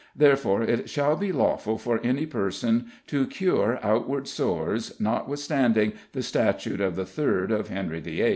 Therefore it shall be lawful for any person to cure outward sores, notwithstanding the statute of the 3rd of Henry VIII."